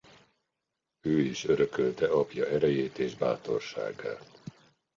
Ő is örökölte apja erejét és bátorságát.